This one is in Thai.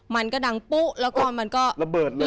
มันก็ดังปุ๊แล้วก็มันก็ระเบิดเลย